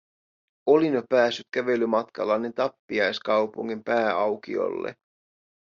Olin jo päässyt kävelymatkallani tappiaiskaupungin pääaukiolle.